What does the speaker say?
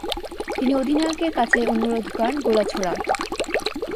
তিনি অধিনায়কের কাছে অনুরোধ করেন গোলা ছোড়ার।